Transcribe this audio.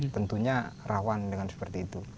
tentunya rawan dengan seperti itu